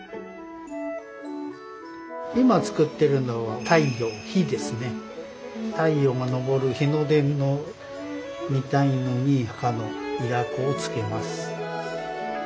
今作っているのは太陽太陽が昇る日の出みたいに赤のいら粉をつけます。